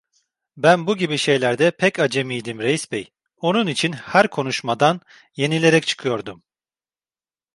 Ben bu gibi şeylerde pek acemiydim reis bey, onun için her konuşmadan yenilerek çıkıyordum.